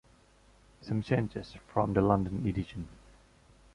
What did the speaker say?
Some changes from the London edition.